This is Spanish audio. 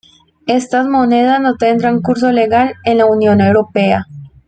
Estas monedas no tendrán curso legal en la Unión Europea.